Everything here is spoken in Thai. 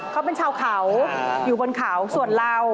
เขาเป็นชาวเขาอยู่บนเขาส่วนเรา